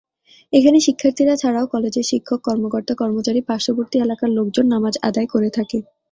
এখানে শিক্ষার্থীরা ছাড়াও কলেজের শিক্ষক, কর্মকর্তা, কর্মচারী ও পার্শ্ববর্তী এলাকার লোকজন নামাজ আদায় করে থাকে।